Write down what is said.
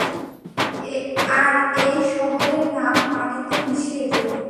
আর এই শহরের নাম মাটিতে মিশিয়ে দেবে।